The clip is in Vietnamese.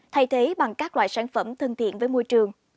thay thế bằng các loại sản phẩm thân thiện với môi trường